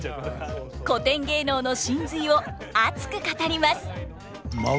古典芸能の神髄を熱く語ります。